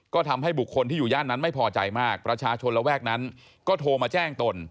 ก็ทำให้บุคคลที่อยู่ย่านนั้นไม่พอใจมากประชาชนระแวกนั้นก็โทรมาแจ้งตน